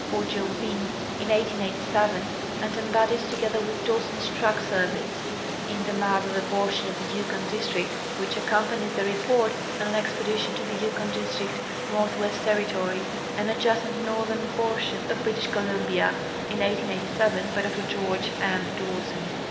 Ogilvie in 1887 and em bodied, together with Dawson's track surveys, in the map of a portion of the Yukon district which accompanies the report on an expedition to the Yukon district, Northwest Territory, and adjacent northern portion of British Columbia, in 1887, by Dr George M. Dawson.